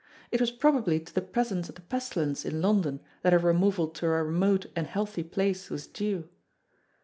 It was probably to the presence of the pestilence in London that her removal to a remote and healthy place was due.